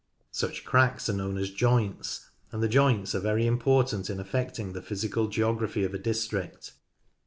Such cracks are known as joints, and the joints are \ ery important in affecting the physical geography of a district.